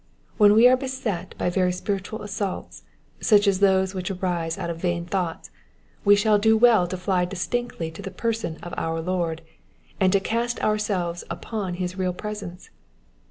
When we are beset by very apirituid assaults, such ks those which arise out of vain thoughts, we shall do well to fly distinctly to the person of our Lord, and to cast ourselves upon bis real Sresence.